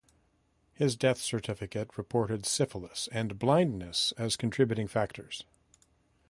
His death certificate reported syphilis and blindness as contributing factors.